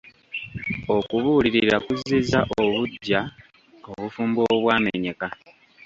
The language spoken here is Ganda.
Okubuulirira kuzizza buggya obufumbo obwamenyeka.